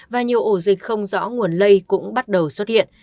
và nhiều ổ dịch không rõ nguồn lây cũng bắt đầu xuất hiện